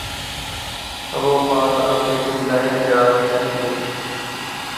بھَوں پاس آنکھ قبلۂِ حاجات چاہیے